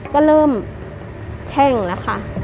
ก็เริ่มแช่งแล้วค่ะ